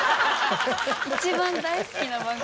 一番大好きな番組。